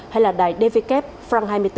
hay là đài dvkf hai mươi bốn